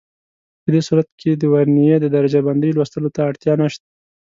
په دې صورت کې د ورنيې د درجه بندۍ لوستلو ته اړتیا نشته.